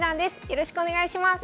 よろしくお願いします。